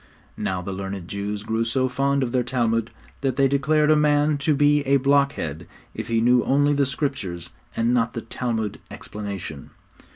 Now the learned Jews grew so fond of their Talmud, that they declared a man to be a blockhead if he knew only the Scriptures and not the Talmud explanation.